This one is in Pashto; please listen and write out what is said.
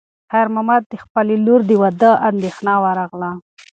خیر محمد ته د خپلې لور د واده اندېښنه ورغله.